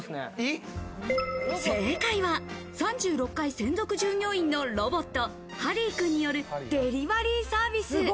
正解は３６階専属従業員のロボット、ハリー君によるデリバリーサービス。